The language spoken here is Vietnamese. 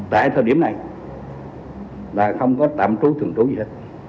tại thời điểm này là không có tạm trú thường trú gì hết